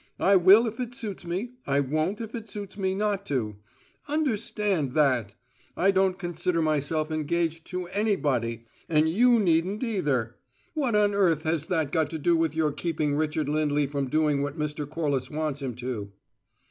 I will if it suits me. I won't if it suits me not to; understand that! I don't consider myself engaged to anybody, and you needn't either. What on earth has that got to do with your keeping Richard Lindley from doing what Mr. Corliss wants him to?"